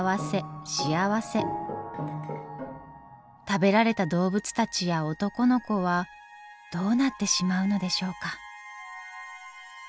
食べられた動物たちや男の子はどうなってしまうのでしょうか？